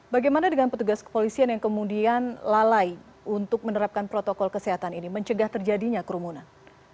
bagaimana dengan petugas kepolisian yang kemudian lalai untuk menerapkan protokol kesehatan ini mencegah terjadinya kerumunan